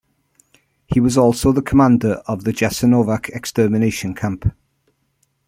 He was also the commander of the Jasenovac extermination camp.